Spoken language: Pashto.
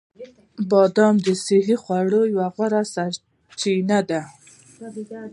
بادام د صحي خوړو یوه غوره سرچینه ده.